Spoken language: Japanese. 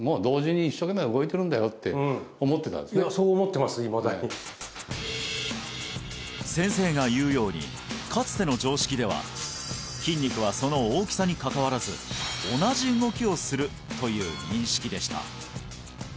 いまだに先生が言うようにかつての常識では筋肉はその大きさにかかわらず同じ動きをするという認識でした